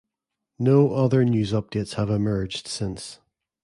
No other news updates have emerged since.